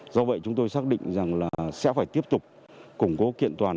do vậy chúng tôi xác định rằng là sẽ phải tiếp tục củng cố kiện toàn